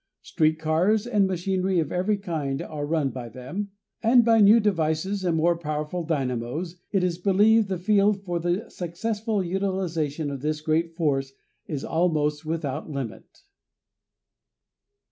Street cars and machinery of every kind are run by them, and, by new devices and more powerful dynamos, it is believed the field for the successful utilization of this great force is almost without limit.